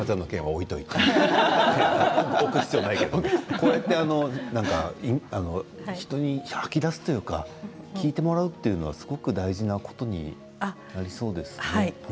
こうやって人に吐き出すというか聞いてもらうというのがすごく大事なことになりそうですね。